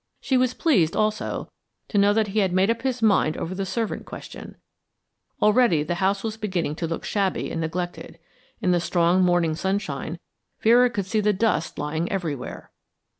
She was pleased, also, to know that he had made up his mind over the servant question. Already the house was beginning to look shabby and neglected; in the strong morning sunshine Vera could see the dust lying everywhere.